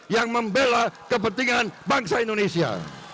yang membela kepentingan bangsa indonesia